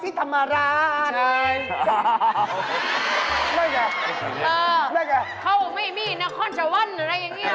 เอ้าคนหนักครอบคร่วล์